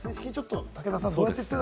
武田さん。